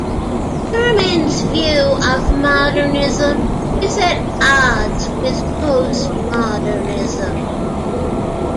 Berman's view of modernism is at odds with post-modernism.